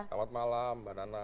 selamat malam mbak nana